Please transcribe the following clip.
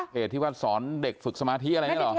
เพจที่ว่าสอนเด็กฝึกสมาธิอะไรเนี่ยหรอ